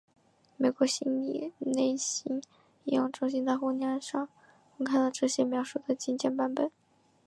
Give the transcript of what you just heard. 美国心理类型应用中心在互联网上公开了这些描述的精简版本。